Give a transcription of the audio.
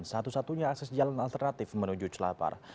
satu satunya akses jalan alternatif menuju celapar